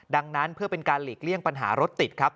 ดังนั้นเพื่อเป็นการหลีกเลี่ยงปัญหารถติดครับ